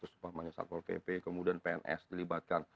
sepahamannya satpol pp kemudian pns dilibatkan